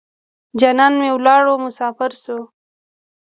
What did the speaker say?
جانان مې ولاړو مسافر شو.